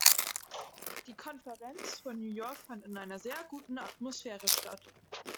Die Konferenz von New York fand in einer sehr guten Atmosphäre statt.